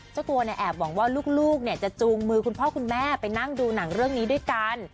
เจ้าตัวเนี่ยแอบหวังว่าลูกจะจูงมือคุณพ่อคุณแม่ไปนั่งดูหนังเรื่องนี้ด้วยกัน